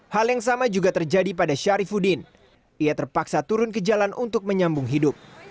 hal yang sama juga terjadi pada syarifudin ia terpaksa turun ke jalan untuk menyambung hidup